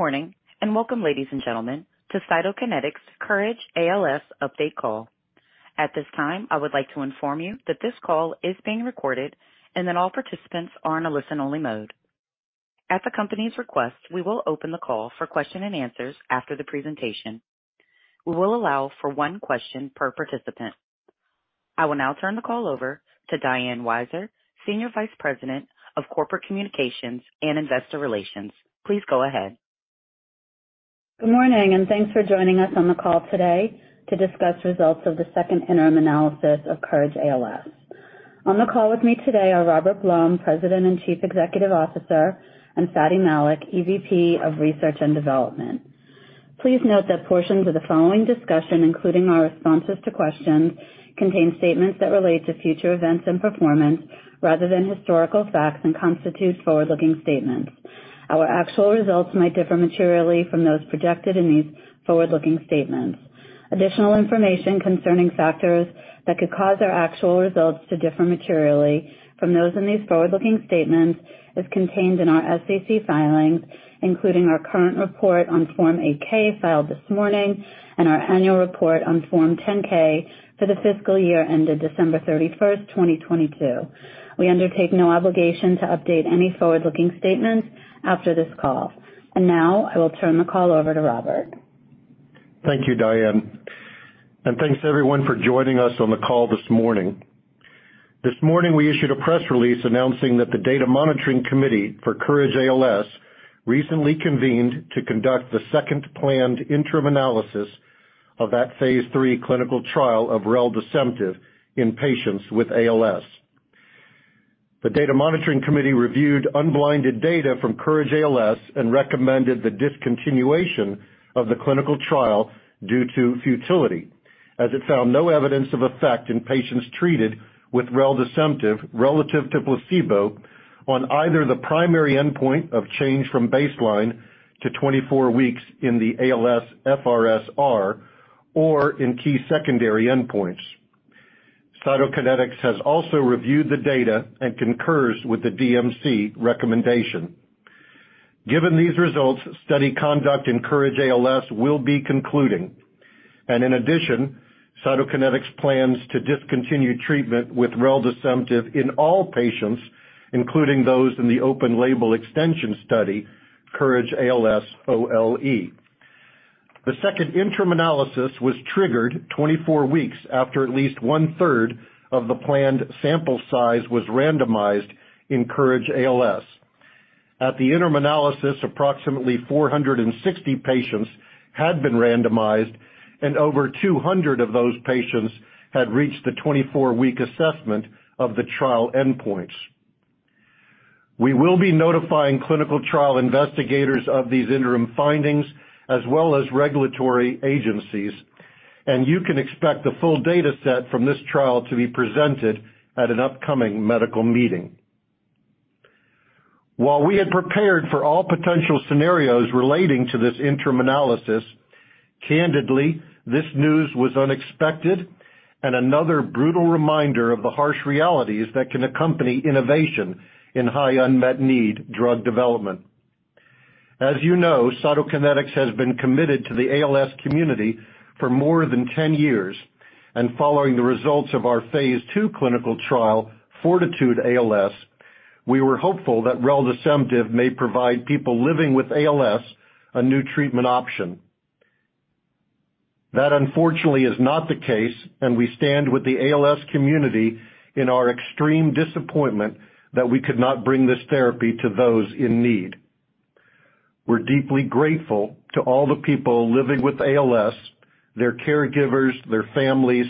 Morning, welcome, ladies and gentlemen, to Cytokinetics' COURAGE-ALS update call. At this time, I would like to inform you that this call is being recorded and that all participants are in a listen-only mode. At the company's request, we will open the call for question and answers after the presentation. We will allow for one question per participant. I will now turn the call over to Diane Weiser, Senior Vice President of Corporate Communications and Investor Relations. Please go ahead. Good morning. Thanks for joining us on the call today to discuss results of the 2nd interim analysis of COURAGE-ALS. On the call with me today are Robert Blum, President and Chief Executive Officer, and Fady Malik, EVP of Research and Development. Please note that portions of the following discussion, including our responses to questions, contain statements that relate to future events and performance rather than historical facts and constitute forward-looking statements. Our actual results might differ materially from those projected in these forward-looking statements. Additional information concerning factors that could cause our actual results to differ materially from those in these forward-looking statements is contained in our SEC filings, including our current report on Form 8-K filed this morning and our annual report on Form 10-K for the fiscal year ended December 31st, 2022. We undertake no obligation to update any forward-looking statements after this call. Now I will turn the call over to Robert. Thank you, Diane. Thanks everyone for joining us on the call this morning. This morning, we issued a press release announcing that the Data Monitoring Committee for COURAGE-ALS recently convened to conduct the second planned interim analysis of that Phase 3 clinical trial of reldesemtiv in patients with ALS. The Data Monitoring Committee reviewed unblinded data from COURAGE-ALS and recommended the discontinuation of the clinical trial due to futility, as it found no evidence of effect in patients treated with reldesemtiv relative to placebo on either the primary endpoint of change from baseline to 24 weeks in the ALSFRS-R or in key secondary endpoints. Cytokinetics has also reviewed the data and concurs with the DMC recommendation. Given these results, study conduct in COURAGE-ALS will be concluding. In addition, Cytokinetics plans to discontinue treatment with reldesemtiv in all patients, including those in the open-label extension study, COURAGE-ALS OLE. The second interim analysis was triggered 24 weeks after at least one-third of the planned sample size was randomized in COURAGE-ALS. At the interim analysis, approximately 460 patients had been randomized, and over 200 of those patients had reached the 24-week assessment of the trial endpoints. We will be notifying clinical trial investigators of these interim findings as well as regulatory agencies. You can expect the full data set from this trial to be presented at an upcoming medical meeting. While we had prepared for all potential scenarios relating to this interim analysis, candidly, this news was unexpected and another brutal reminder of the harsh realities that can accompany innovation in high unmet need drug development. As you know, Cytokinetics has been committed to the ALS community for more than 10 years. Following the results of our Phase 2 clinical trial, FORTITUDE-ALS, we were hopeful that reldesemtiv may provide people living with ALS a new treatment option. That, unfortunately, is not the case. We stand with the ALS community in our extreme disappointment that we could not bring this therapy to those in need. We're deeply grateful to all the people living with ALS, their caregivers, their families,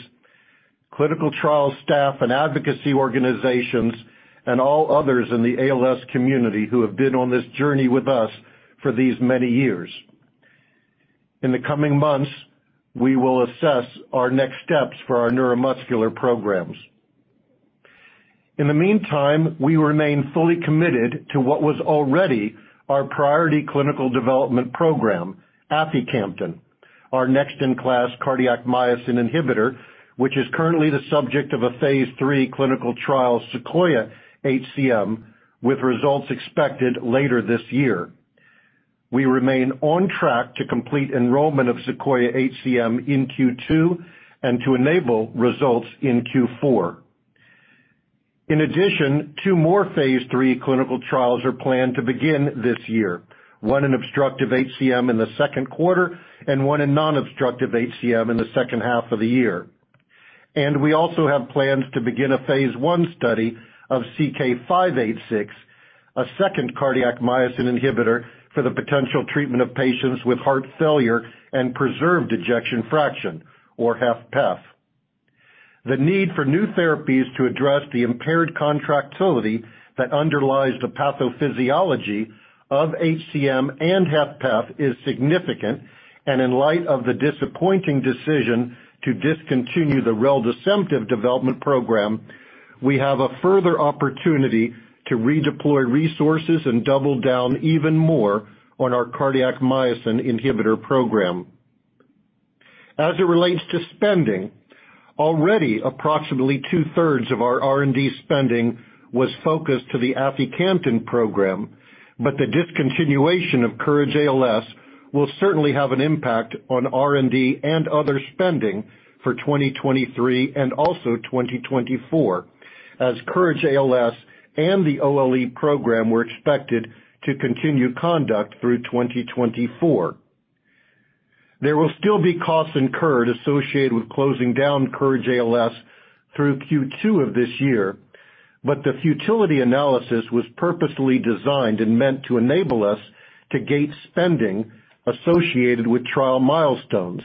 clinical trial staff and advocacy organizations, all others in the ALS community who have been on this journey with us for these many years. In the coming months, we will assess our next steps for our neuromuscular programs. In the meantime, we remain fully committed to what was already our priority clinical development program, aficamten, our next-in-class cardiac myosin inhibitor, which is currently the subject of a phase 3 clinical trial, SEQUOIA-HCM, with results expected later this year. We remain on track to complete enrollment of SEQUOIA-HCM in Q2 and to enable results in Q4. Two more phase 3 clinical trials are planned to begin this year. One in obstructive HCM in the second quarter and one in non-obstructive HCM in the second half of the year. We also have plans to begin a phase 1 study of CK-586, a second cardiac myosin inhibitor for the potential treatment of patients with heart failure and preserved ejection fraction or HFpEF. The need for new therapies to address the impaired contractility that underlies the pathophysiology of HCM and HFpEF is significant, and in light of the disappointing decision to discontinue the reldesemtiv development program, we have a further opportunity to redeploy resources and double down even more on our cardiac myosin inhibitor program. As it relates to spending, already approximately two-thirds of our R&D spending was focused to the aficamten program, but the discontinuation of COURAGE-ALS will certainly have an impact on R&D and other spending for 2023 and also 2024 as COURAGE-ALS and the OLE program were expected to continue conduct through 2024. There will still be costs incurred associated with closing down COURAGE-ALS through Q2 of this year, but the futility analysis was purposefully designed and meant to enable us to gate spending associated with trial milestones.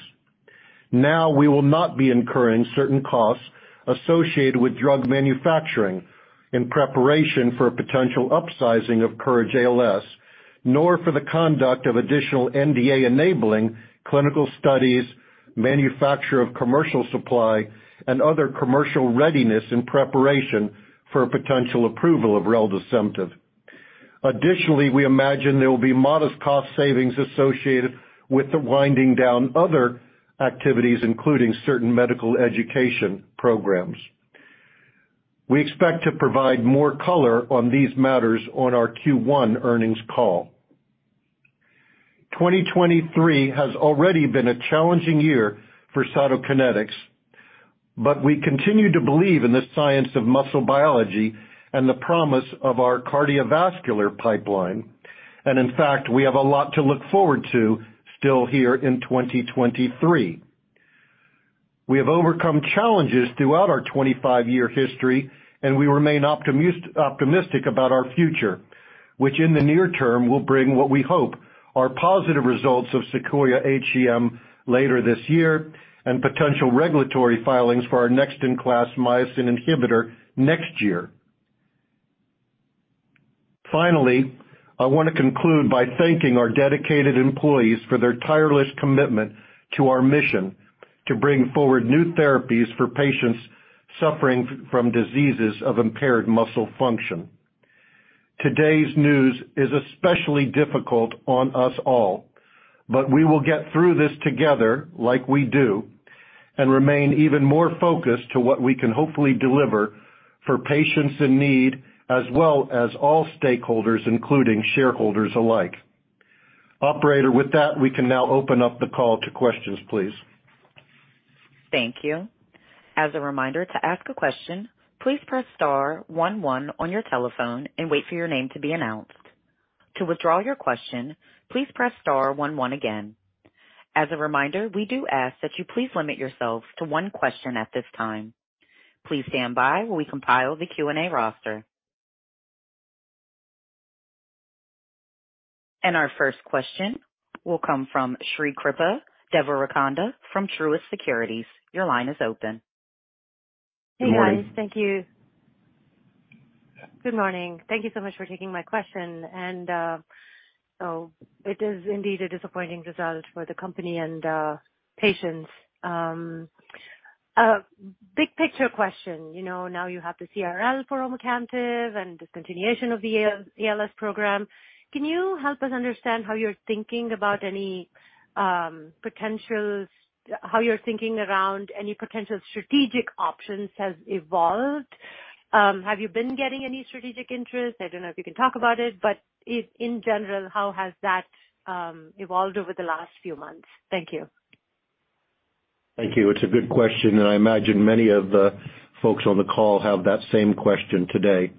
Now, we will not be incurring certain costs associated with drug manufacturing in preparation for a potential upsizing of COURAGE-ALS, nor for the conduct of additional NDA-enabling clinical studies, manufacture of commercial supply, and other commercial readiness in preparation for a potential approval of reldesemtiv. Additionally, we imagine there will be modest cost savings associated with the winding down other activities, including certain medical education programs. We expect to provide more color on these matters on our Q1 earnings call. 2023 has already been a challenging year for Cytokinetics, but we continue to believe in the science of muscle biology and the promise of our cardiovascular pipeline. In fact, we have a lot to look forward to still here in 2023. We have overcome challenges throughout our 25-year history, and we remain optimistic about our future, which in the near term will bring what we hope are positive results of SEQUOIA-HCM later this year and potential regulatory filings for our next in class myosin inhibitor next year. Finally, I wanna conclude by thanking our dedicated employees for their tireless commitment to our mission to bring forward new therapies for patients suffering from diseases of impaired muscle function. Today's news is especially difficult on us all, but we will get through this together like we do and remain even more focused to what we can hopefully deliver for patients in need, as well as all stakeholders, including shareholders alike. Operator, with that, we can now open up the call to questions, please. Thank you. As a reminder, to ask a question, please press star one one on your telephone and wait for your name to be announced. To withdraw your question, please press star one one again. As a reminder, we do ask that you please limit yourselves to one question at this time. Please stand by while we compile the Q&A roster. Our first question will come from Srikripa Devarakonda from Truist Securities. Your line is open. Good morning. Hey, guys. Thank you. Good morning. Thank you so much for taking my question. It is indeed a disappointing result for the company and patients. Big picture question. You know, now you have the CRL for omecamtiv and discontinuation of the ALS program. Can you help us understand how you're thinking around any potential strategic options has evolved? Have you been getting any strategic interest? I don't know if you can talk about it, but in general, how has that evolved over the last few months? Thank you. Thank you. It's a good question. I imagine many of the folks on the call have that same question today.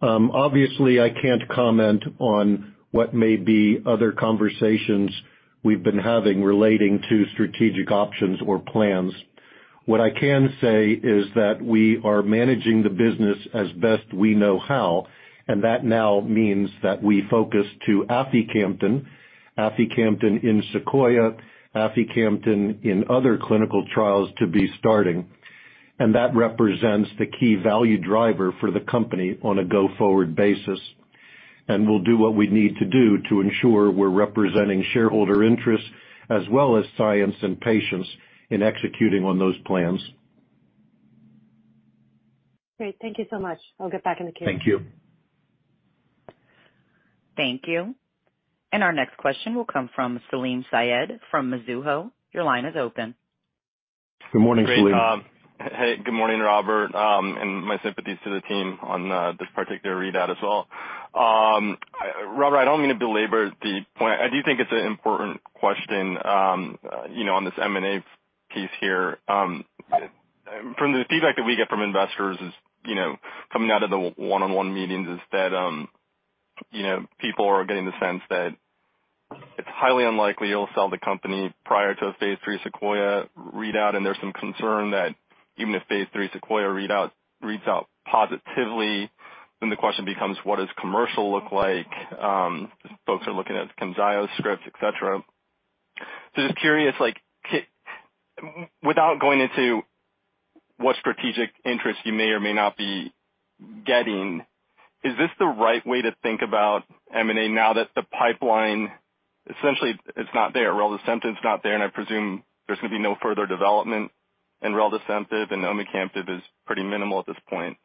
Obviously, I can't comment on what may be other conversations we've been having relating to strategic options or plans. What I can say is that we are managing the business as best we know how. That now means that we focus to aficamten in SEQUOIA, aficamten in other clinical trials to be starting. That represents the key value driver for the company on a go-forward basis. We'll do what we need to do to ensure we're representing shareholder interests as well as science and patients in executing on those plans. Great. Thank you so much. I'll get back in the queue. Thank you. Thank you. Our next question will come from Salim Syed from Mizuho. Your line is open. Good morning, Salim. Great. Good morning, Robert. My sympathies to the team on this particular readout as well. Robert, I don't mean to belabor the point. I do think it's an important question, you know, on this M&A piece here. From the feedback that we get from investors is, you know, coming out of the one-on-one meetings is that, you know, people are getting the sense that it's highly unlikely you'll sell the company prior to a phase 3 SEQUOIA readout. There's some concern that even if phase 3 SEQUOIA readout reads out positively, then the question becomes, what does commercial look like? Folks are looking at Camzyos scripts, et cetera. Just curious, like, without going into what strategic interest you may or may not be getting, is this the right way to think about M&A now that the pipeline, essentially it's not there? Reldesemtiv is not there, and I presume there's gonna be no further development in reldesemtiv, and omecamtiv is pretty minimal at this point.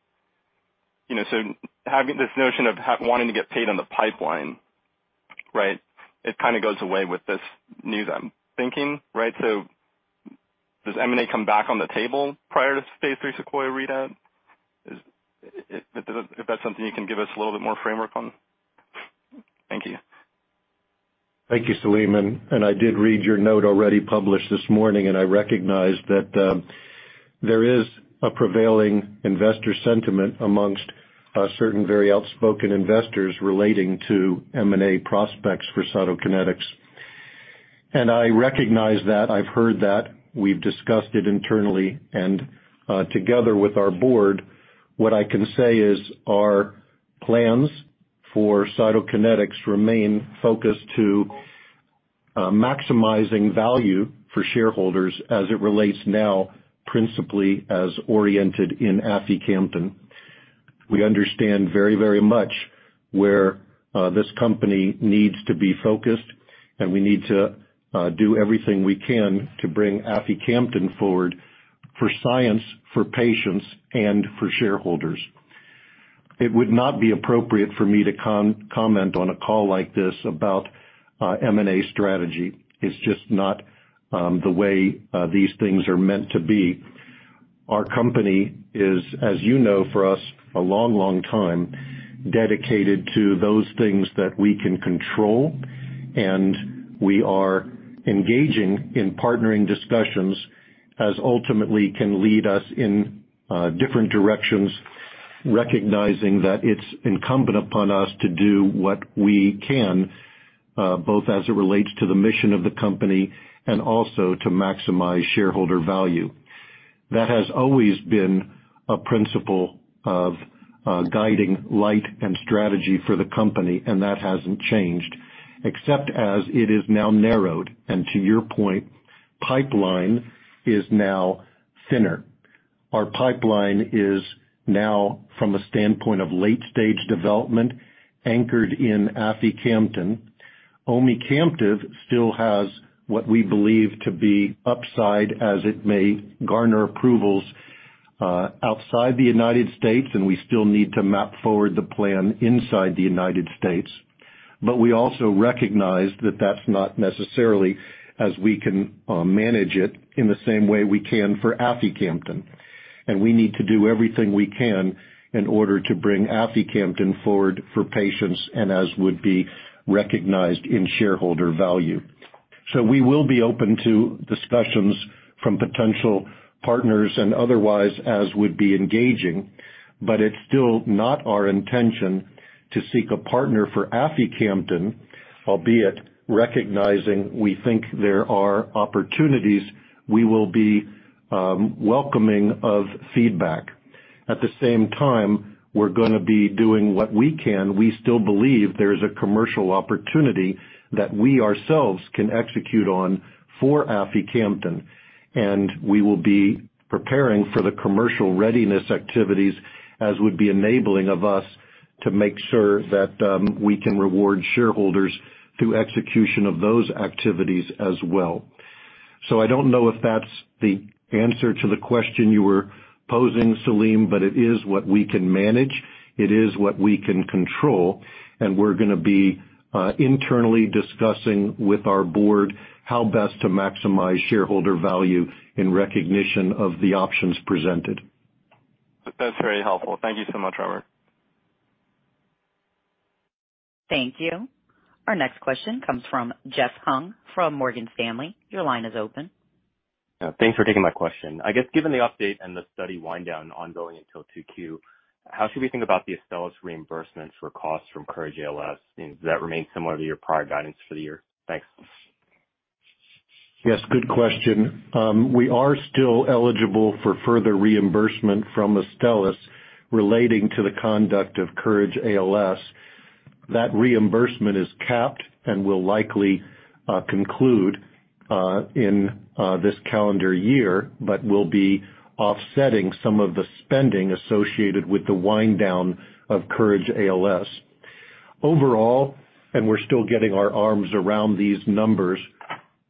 Having this notion of wanting to get paid on the pipeline, right, it kind of goes away with this new, thinking, right? Does M&A come back on the table prior to phase 3 SEQUOIA-HCM readout? If that's something you can give us a little bit more framework on? Thank you. Thank you, Salim, and I did read your note already published this morning, and I recognize that there is a prevailing investor sentiment amongst certain very outspoken investors relating to M&A prospects for Cytokinetics. I recognize that, I've heard that, we've discussed it internally and together with our board. What I can say is our plans for Cytokinetics remain focused to maximizing value for shareholders as it relates now principally as oriented in aficamten. We understand very much where this company needs to be focused, and we need to do everything we can to bring aficamten forward for science, for patients, and for shareholders. It would not be appropriate for me to comment on a call like this about M&A strategy. It's just not the way these things are meant to be. Our company is, as you know, for us, a long, long time dedicated to those things that we can control, and we are engaging in partnering discussions as ultimately can lead us in different directions, recognizing that it's incumbent upon us to do what we can, both as it relates to the mission of the company and also to maximize shareholder value. That has always been a principle of guiding light and strategy for the company, and that hasn't changed, except as it is now narrowed, and to your point, pipeline is now thinner. Our pipeline is now from a standpoint of late-stage development anchored in aficamten. omecamtiv still has what we believe to be upside as it may garner approvals outside the United States, and we still need to map forward the plan inside the United States. We also recognize that that's not necessarily as we can manage it in the same way we can for aficamten. We need to do everything we can in order to bring aficamten forward for patients and as would be recognized in shareholder value. We will be open to discussions from potential partners and otherwise as would be engaging, but it's still not our intention to seek a partner for aficamten, albeit recognizing we think there are opportunities we will be welcoming of feedback. At the same time, we're gonna be doing what we can. We still believe there is a commercial opportunity that we ourselves can execute on for aficamten, and we will be preparing for the commercial readiness activities as would be enabling of us to make sure that we can reward shareholders through execution of those activities as well. I don't know if that's the answer to the question you were posing, Salim, but it is what we can manage, it is what we can control, and we're gonna be internally discussing with our board how best to maximize shareholder value in recognition of the options presented. That's very helpful. Thank you so much, Robert. Thank you. Our next question comes from Jeff Hung from Morgan Stanley. Your line is open. Yeah. Thanks for taking my question. I guess given the update and the study wind down ongoing until 2Q, how should we think about the Astellas reimbursements for costs from COURAGE-ALS? Does that remain similar to your prior guidance for the year? Thanks. Yes, good question. We are still eligible for further reimbursement from Astellas relating to the conduct of COURAGE-ALS. That reimbursement is capped and will likely conclude in this calendar year, but will be offsetting some of the spending associated with the wind down of COURAGE-ALS. Overall, and we're still getting our arms around these numbers,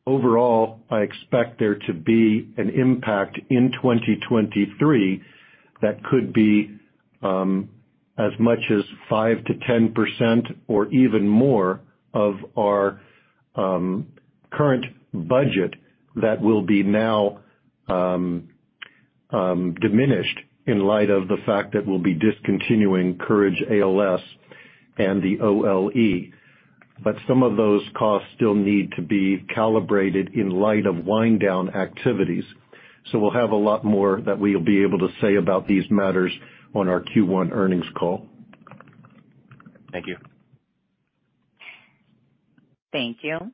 overall, I expect there to be an impact in 2023 that could be as much as 5%-10% or even more of our current budget that will be now diminished in light of the fact that we'll be discontinuing COURAGE-ALS and the OLE. Some of those costs still need to be calibrated in light of wind down activities. We'll have a lot more that we'll be able to say about these matters on our Q1 earnings call. Thank you. Thank you.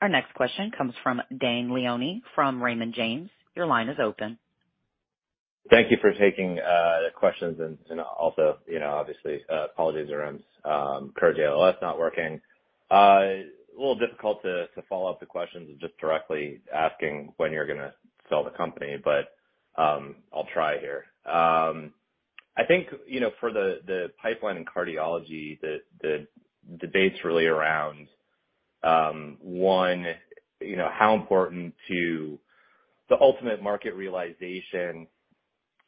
Our next question comes from Dane Leone from Raymond James. Your line is open. Thank you for taking the questions and also, you know, obviously, apologies around COURAGE-ALS not working. A little difficult to follow up the questions of just directly asking when you're gonna sell the company, but I'll try here. I think, you know, for the pipeline in cardiology, the debate's really around One, you know, how important to the ultimate market realization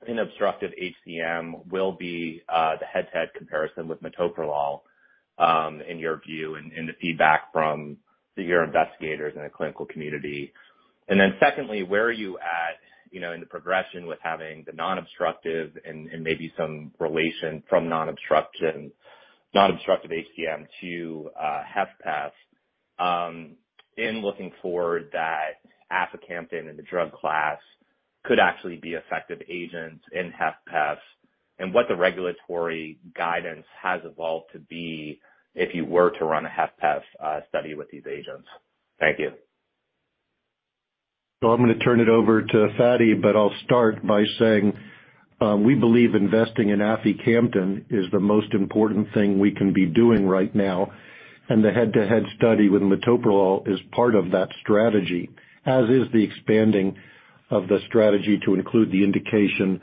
in obstructive HCM will be the head-to-head comparison with metoprolol, in your view and the feedback from your investigators in the clinical community? Secondly, where are you at, you know, in the progression with having the non-obstructive and maybe some relation from non-obstructive HCM to HFpEF, in looking for that aficamten in the drug class could actually be effective agents in HFpEF? What the regulatory guidance has evolved to be if you were to run a HFpEF study with these agents? Thank you. I'm gonna turn it over to Fady, but I'll start by saying, we believe investing in aficamten is the most important thing we can be doing right now. The head-to-head study with metoprolol is part of that strategy, as is the expanding of the strategy to include the indication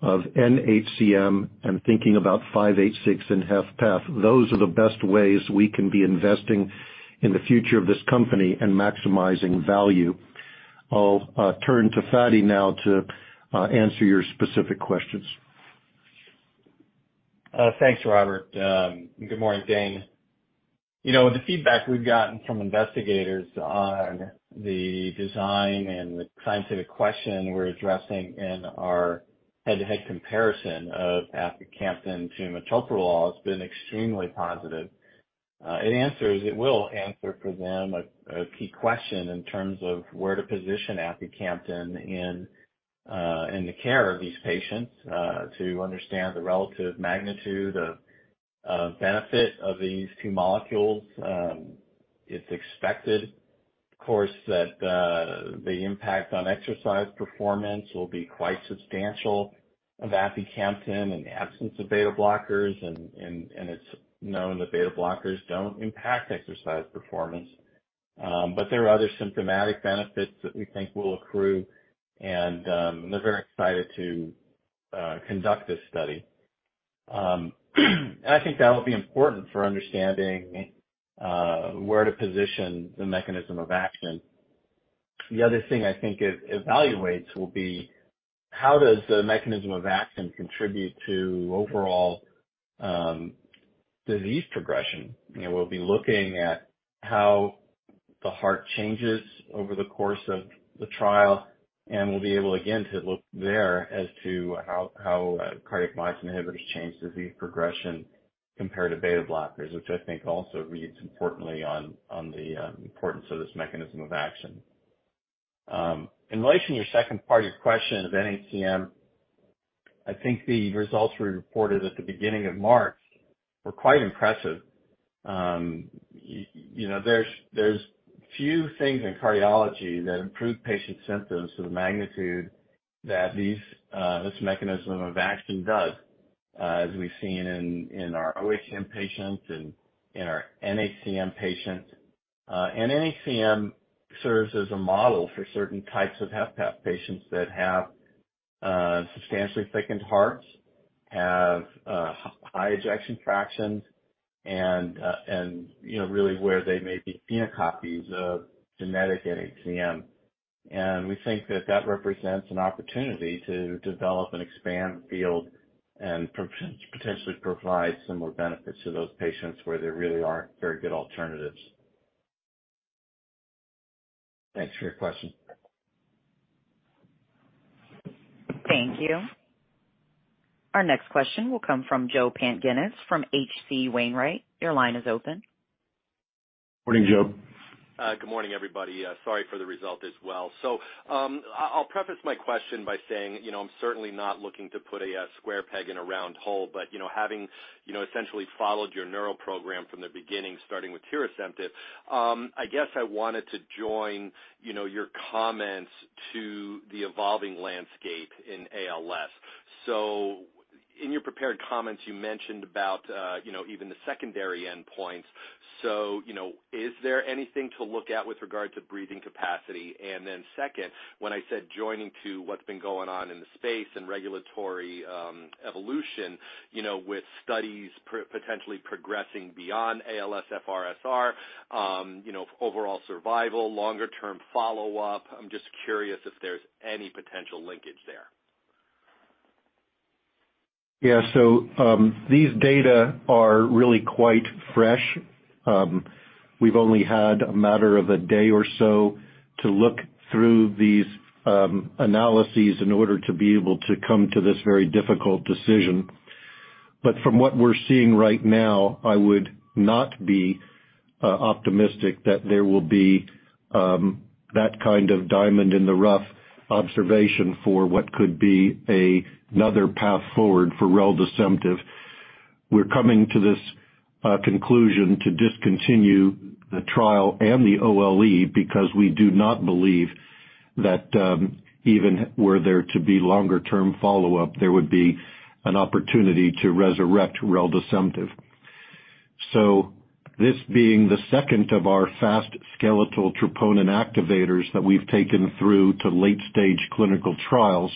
of NHCM and thinking about 586 in HFpEF. Those are the best ways we can be investing in the future of this company and maximizing value. I'll turn to Fady now to answer your specific questions. Thanks, Robert. Good morning, Dane. You know, the feedback we've gotten from investigators on the design and the scientific question we're addressing in our head-to-head comparison of aficamten to metoprolol has been extremely positive. It will answer for them a key question in terms of where to position aficamten in the care of these patients, to understand the relative magnitude of benefit of these two molecules. It's expected, of course, that the impact on exercise performance will be quite substantial of aficamten in the absence of beta blockers. It's known that beta blockers don't impact exercise performance. There are other symptomatic benefits that we think will accrue, and they're very excited to conduct this study. I think that'll be important for understanding where to position the mechanism of action. The other thing I think it evaluates will be how does the mechanism of action contribute to overall disease progression? You know, we'll be looking at how the heart changes over the course of the trial, and we'll be able, again, to look there as to how cardiac myosin inhibitors change disease progression compared to beta blockers, which I think also reads importantly on the importance of this mechanism of action. In relation to your second part of your question of NHCM, I think the results we reported at the beginning of March were quite impressive. you know, there's few things in cardiology that improve patient symptoms to the magnitude that this mechanism of action does, as we've seen in our OHCM patients and in our NHCM patients. NHCM serves as a model for certain types of HFpEF patients that have substantially thickened hearts, have high ejection fractions, really where they may be phenocopies of genetic NHCM. We think that that represents an opportunity to develop and expand the field and potentially provide similar benefits to those patients where there really aren't very good alternatives. Thanks for your question. Thank you. Our next question will come from Joseph Pantginis from H.C. Wainwright. Your line is open. Morning, Joe. Good morning, everybody. Sorry for the result as well. I'll preface my question by saying, you know, I'm certainly not looking to put a square peg in a round hole. You know, having, you know, essentially followed your neural program from the beginning, starting with tirasemtiv, I guess I wanted to join, you know, your comments to the evolving landscape in ALS. In your prepared comments, you mentioned about, you know, even the secondary endpoints. You know, is there anything to look at with regard to breathing capacity? Second, when I said joining to what's been going on in the space and regulatory evolution, you know, with studies potentially progressing beyond ALSFRS-R, you know, overall survival, longer term follow-up, I'm just curious if there's any potential linkage there. These data are really quite fresh. We've only had a matter of a day or so to look through these analyses in order to be able to come to this very difficult decision. From what we're seeing right now, I would not be optimistic that there will be that kind of diamond in the rough observation for what could be another path forward for reldesemtiv. We're coming to this conclusion to discontinue the trial and the OLE because we do not believe that even were there to be longer term follow-up, there would be an opportunity to resurrect reldesemtiv. This being the second of our fast skeletal troponin activators that we've taken through to late stage clinical trials.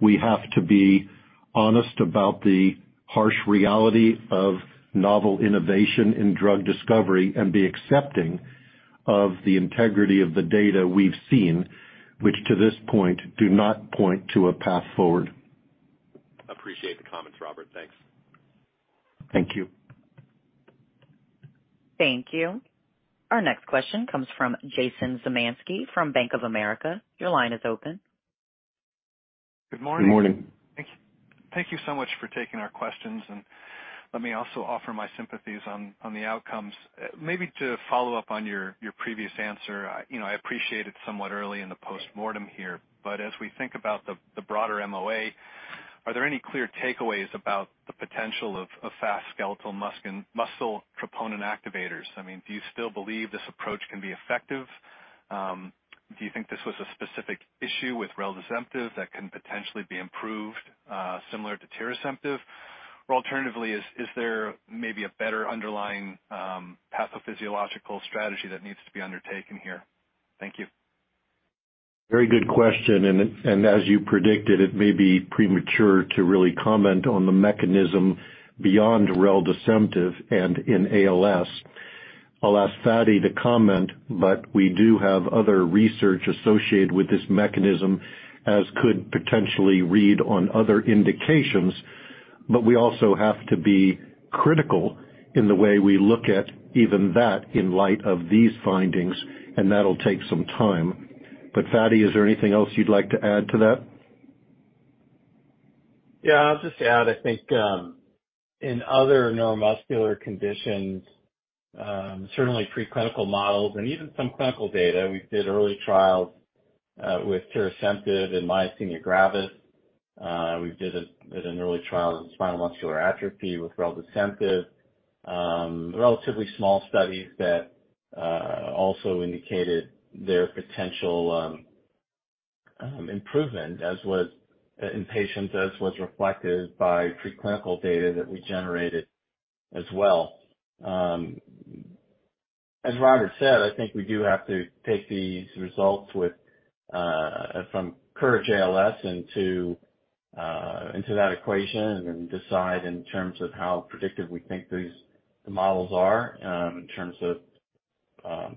We have to be honest about the harsh reality of novel innovation in drug discovery and be accepting of the integrity of the data we've seen, which to this point, do not point to a path forward. Appreciate the comments, Robert. Thanks. Thank you. Thank you. Our next question comes from Jason Zemansky from Bank of America. Your line is open. Good morning. Good morning. Thank you so much for taking our questions. Let me also offer my sympathies on the outcomes. Maybe to follow up on your previous answer, you know, I appreciate it's somewhat early in the postmortem here, but as we think about the broader MOA, are there any clear takeaways about the potential of fast skeletal muscle troponin activators? I mean, do you still believe this approach can be effective? Do you think this was a specific issue with reldesemtiv that can potentially be improved, similar to tirasemtiv? Alternatively, is there maybe a better underlying pathophysiological strategy that needs to be undertaken here? Thank you. Very good question, as you predicted, it may be premature to really comment on the mechanism beyond reldesemtiv and in ALS. We do have other research associated with this mechanism as could potentially read on other indications. We also have to be critical in the way we look at even that in light of these findings, and that'll take some time. Fady, is there anything else you'd like to add to that? I'll just add, I think, in other neuromuscular conditions, certainly preclinical models and even some clinical data, we did early trials with tirasemtiv in myasthenia gravis. We did it at an early trial in spinal muscular atrophy with reldesemtiv. Relatively small studies that also indicated their potential improvement in patients as was reflected by preclinical data that we generated as well. As Robert said, I think we do have to take these results from COURAGE-ALS into that equation and then decide in terms of how predictive we think these models are in terms of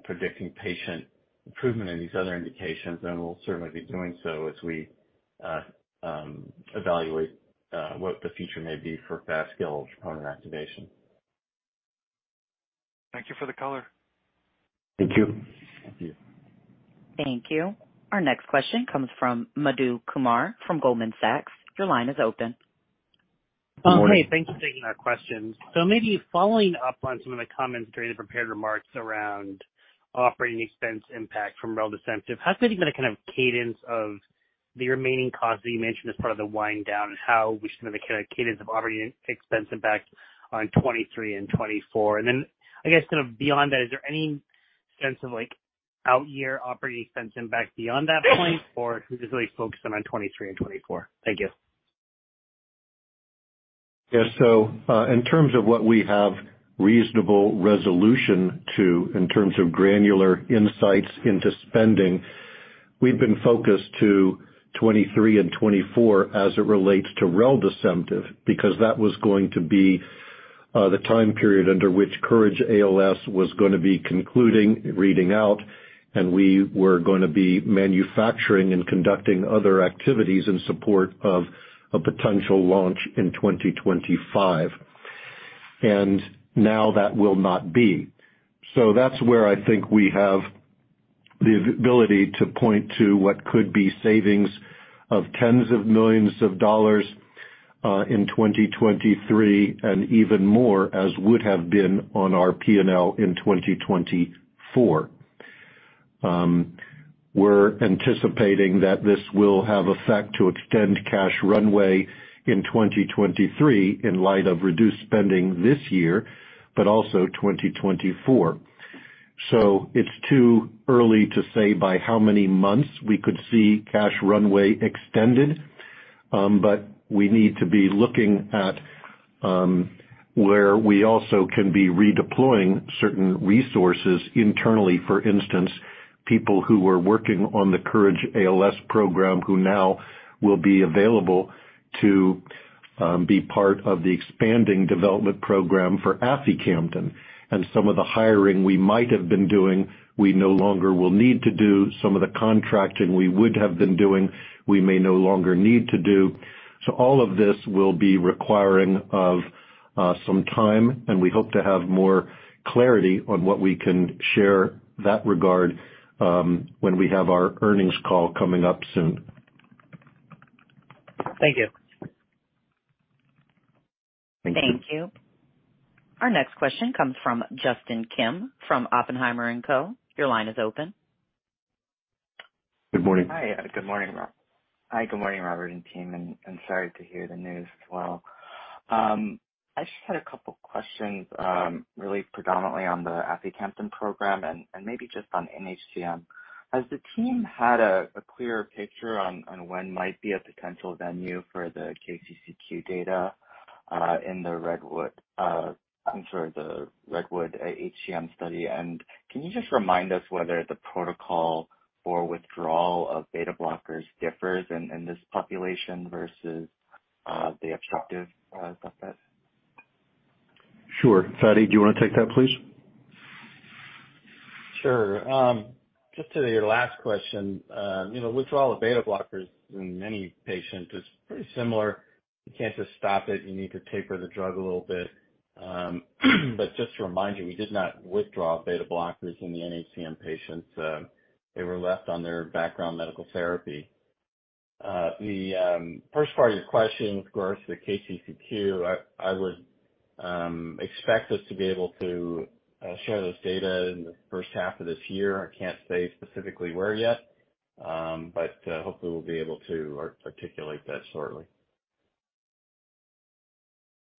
predicting patient improvement in these other indications. We'll certainly be doing so as we evaluate what the future may be for fast skeletal troponin activation. Thank you for the color. Thank you. Thank you. Thank you. Our next question comes from Madhu Kumar from Goldman Sachs. Your line is open. Good morning. Hey, thanks for taking our questions. Maybe following up on some of the comments during the prepared remarks around operating expense impact from reldesemtiv, how do you think about the kind of cadence of the remaining costs that you mentioned as part of the wind down and how we should think of the kind of cadence of operating expense impact on 2023 and 2024? I guess kind of beyond that, is there any sense of like out year operating expense impact beyond that point or should we just really focus in on 2023 and 2024? Thank you. Yeah. In terms of what we have reasonable resolution to in terms of granular insights into spending, we've been focused to 2023 and 2024 as it relates to reldesemtiv, because that was going to be the time period under which COURAGE-ALS was going to be concluding reading out, and we were going to be manufacturing and conducting other activities in support of a potential launch in 2025. Now that will not be. That's where I think we have the ability to point to what could be savings of tens of millions of dollars in 2023 and even more as would have been on our P&L in 2024. We're anticipating that this will have effect to extend cash runway in 2023 in light of reduced spending this year, but also 2024. It's too early to say by how many months we could see cash runway extended, but we need to be looking at where we also can be redeploying certain resources internally. For instance, people who were working on the COURAGE-ALS program who now will be available to be part of the expanding development program for aficamten. Some of the hiring we might have been doing, we no longer will need to do. Some of the contracting we would have been doing, we may no longer need to do. All of this will be requiring of some time, and we hope to have more clarity on what we can share that regard when we have our earnings call coming up soon. Thank you. Thank you. Thank you. Our next question comes from Justin Kim from Oppenheimer & Co. Your line is open. Good morning. Hi, good morning, Robert and team, and sorry to hear the news as well. I just had 2 questions, really predominantly on the aficamten program and maybe just on NHCM. Has the team had a clearer picture on when might be a potential venue for the KCCQ data? In the REDWOOD-HCM, I'm sorry, the REDWOOD-HCM HCM study. Can you just remind us whether the protocol for withdrawal of beta blockers differs in this population versus the obstructive stuff that- Sure. Fady, do you wanna take that, please? Sure. Just to your last question, you know, withdrawal of beta blockers in many patients is pretty similar. You can't just stop it, you need to taper the drug a little bit. Just to remind you, we did not withdraw beta blockers in the NHCM patients. They were left on their background medical therapy. The first part of your question with regards to the KCCQ, I would expect us to be able to share this data in the first half of this year. I can't say specifically where yet. Hopefully we'll be able to articulate that shortly.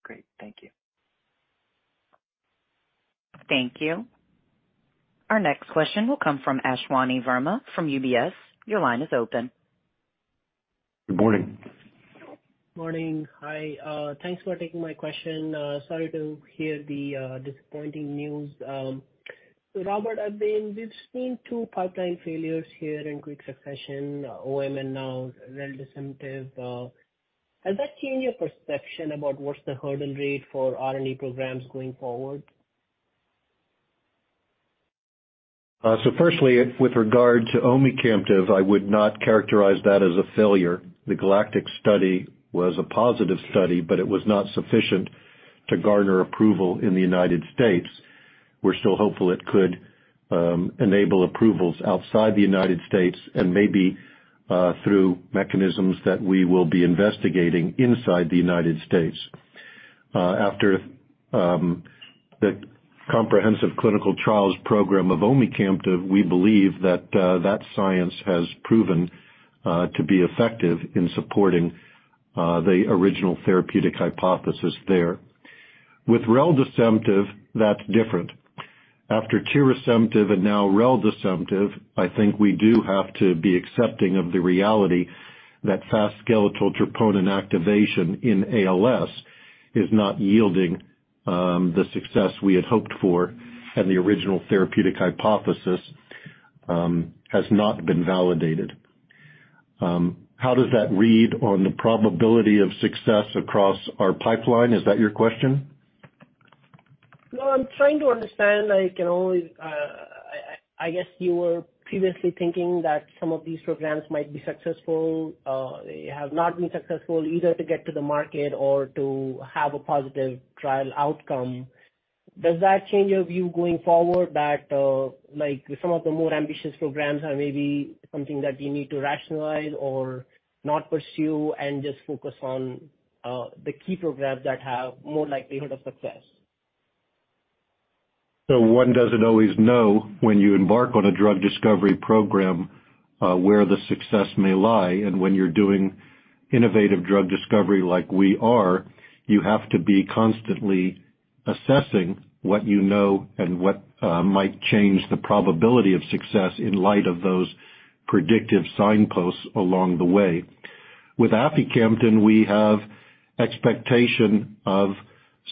Great. Thank you. Thank you. Our next question will come from Ashwani Verma from UBS. Your line is open. Good morning. Morning. Hi, thanks for taking my question. Sorry to hear the disappointing news. Robert, I mean, we've seen two pipeline failures here in quick succession, OMN, now reldesemtiv. Has that changed your perception about what's the hurdle rate for R&D programs going forward? Firstly, with regard to omecamtiv, I would not characterize that as a failure. The GALACTIC study was a positive study, but it was not sufficient to garner approval in the United States. We're still hopeful it could enable approvals outside the United States and maybe through mechanisms that we will be investigating inside the United States. After the comprehensive clinical trials program of omecamtiv, we believe that science has proven to be effective in supporting the original therapeutic hypothesis there. With reldesemtiv, that's different. After tirasemtiv and now reldesemtiv, I think we do have to be accepting of the reality that fast skeletal troponin activation in ALS is not yielding the success we had hoped for and the original therapeutic hypothesis has not been validated. How does that read on the probability of success across our pipeline? Is that your question? No, I'm trying to understand, like, you know, I guess you were previously thinking that some of these programs might be successful. They have not been successful either to get to the market or to have a positive trial outcome. Does that change your view going forward that, like some of the more ambitious programs are maybe something that you need to rationalize or not pursue and just focus on the key programs that have more likelihood of success? One doesn't always know when you embark on a drug discovery program, where the success may lie. When you're doing innovative drug discovery like we are, you have to be constantly assessing what you know and what might change the probability of success in light of those predictive signposts along the way. With aficamten, we have expectation of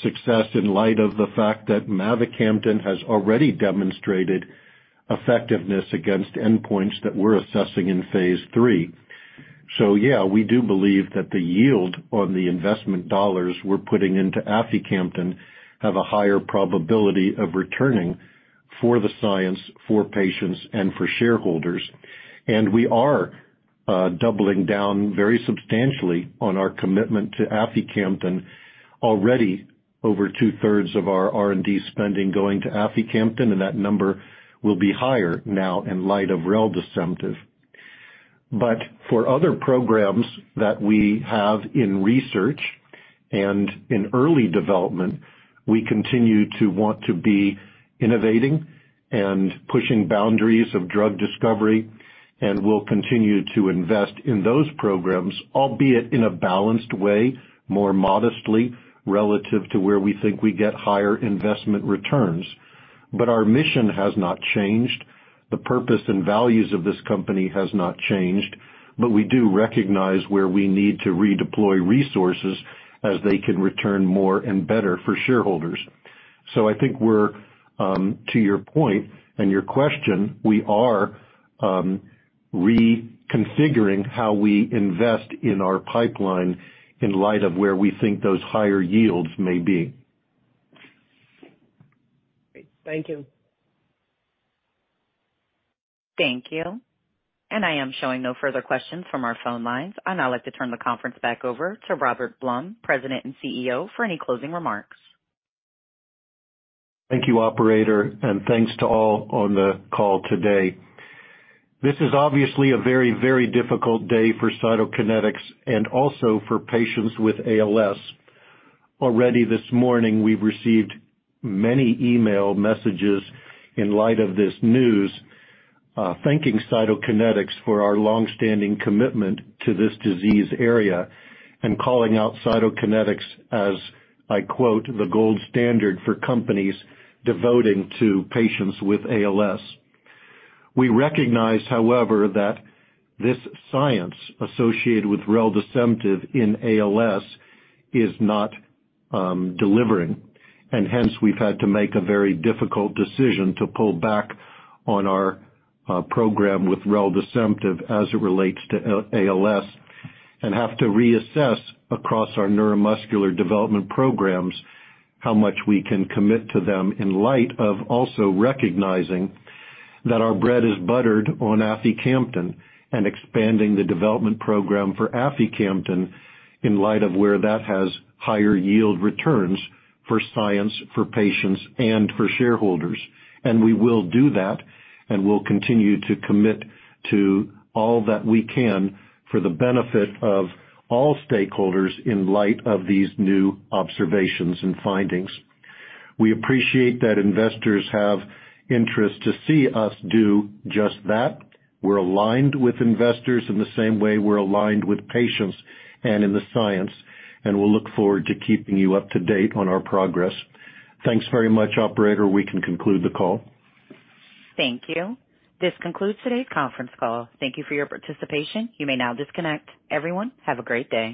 success in light of the fact that mavacamten has already demonstrated effectiveness against endpoints that we're assessing in phase 3. Yeah, we do believe that the yield on the investment dollars we're putting into aficamten have a higher probability of returning for the science, for patients, and for shareholders. We are doubling down very substantially on our commitment to aficamten. Already over 2/3 of our R&D spending going to aficamten, and that number will be higher now in light of reldesemtiv. For other programs that we have in research and in early development, we continue to want to be innovating and pushing boundaries of drug discovery, and we'll continue to invest in those programs, albeit in a balanced way, more modestly relative to where we think we get higher investment returns. Our mission has not changed. The purpose and values of this company has not changed, but we do recognize where we need to redeploy resources as they can return more and better for shareholders. I think we're, to your point and your question, we are reconfiguring how we invest in our pipeline in light of where we think those higher yields may be. Great. Thank you. Thank you. I am showing no further questions from our phone lines. I'd now like to turn the conference back over to Robert Blum, President and CEO, for any closing remarks. Thank you, operator, and thanks to all on the call today. This is obviously a very, very difficult day for Cytokinetics and also for patients with ALS. Already this morning, we've received many email messages in light of this news, thanking Cytokinetics for our longstanding commitment to this disease area and calling out Cytokinetics as I quote, "The gold standard for companies devoting to patients with ALS." We recognize, however, that this science associated with reldesemtiv in ALS is not delivering, and hence, we've had to make a very difficult decision to pull back on our program with reldesemtiv as it relates to ALS, and have to reassess across our neuromuscular development programs how much we can commit to them in light of also recognizing that our bread is buttered on aficamten and expanding the development program for aficamten in light of where that has higher yield returns for science, for patients, and for shareholders. We will do that, and we'll continue to commit to all that we can for the benefit of all stakeholders in light of these new observations and findings. We appreciate that investors have interest to see us do just that. We're aligned with investors in the same way we're aligned with patients and in the science, and we'll look forward to keeping you up to date on our progress. Thanks very much, operator. We can conclude the call. Thank you. This concludes today's conference call. Thank you for your participation. You may now disconnect. Everyone, have a great day.